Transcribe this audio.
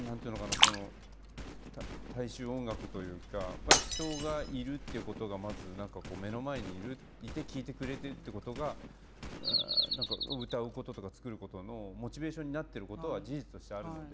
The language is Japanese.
その大衆音楽というか人がいるっていうことがまず何かこう目の前にいるいて聴いてくれてるってことが歌うこととか作ることのモチベーションになってることは事実としてあるので。